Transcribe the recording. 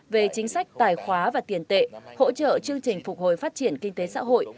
về chính sách tài khoá và tiền tệ hỗ trợ chương trình phục hồi phát triển kinh tế xã hội